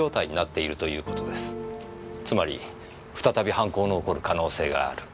つまり再び犯行が起こる可能性がある。